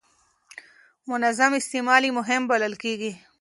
منظم استعمال یې مهم بلل کېږي.